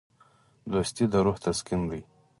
دوستي د روح تسکین دی.